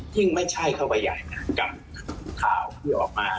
ยิ่งไม่ใช่เขาบริยายนะกับข้าวที่ออกมา